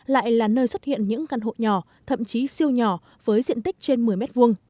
lại là nơi xuất hiện những căn hộ nhỏ thậm chí siêu nhỏ với diện tích trên một mươi m hai